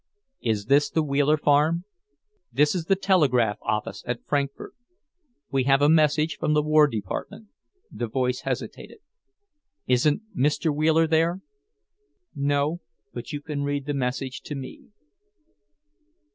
"Is this the Wheeler farm? This is the telegraph office at Frankfort. We have a message from the War Department, " the voice hesitated. "Isn't Mr. Wheeler there?" "No, but you can read the message to me."